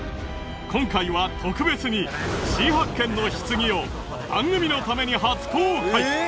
今回は特別に新発見の棺を番組のために初公開！